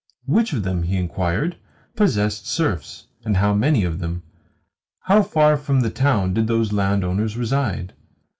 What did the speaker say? Which of them, he inquired, possessed serfs, and how many of them? How far from the town did those landowners reside?